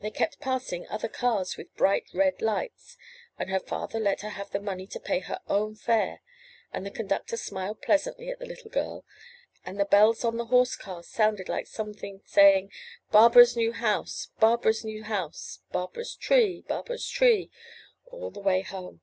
They kept passing other cars with bright red lights, and her father let her have the money to pay her own fare, and the conductor smiled pleasantly at the little girl, and the bells on the horse cars sounded like something saying '^Barbara's new house — Barbara's new house — Barbara's tree — Barbara's tree ' all the way home.